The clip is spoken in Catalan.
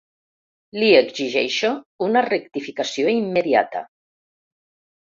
Li exigeixo una rectificació immediata.